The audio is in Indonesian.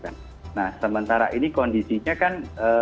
nah sementara ini kondisinya kan